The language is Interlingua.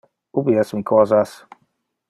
Ubi es mi cosas?